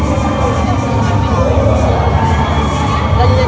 สวัสดีสวัสดี